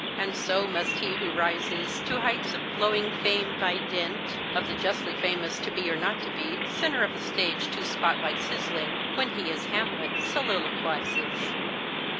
And so must he who rises To heights of glowing fame by dint Of the justly famous to be or not to be, center of the stage, two spotlights sizzling, when he as Hamlet soliloquizes.